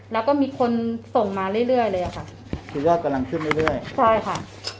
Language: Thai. แล้วก็มีคนส่งมาเรื่อยเรื่อยเลยอะค่ะคือว่ากำลังขึ้นเรื่อยเรื่อยใช่ค่ะ